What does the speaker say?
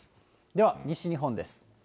では、西日本です。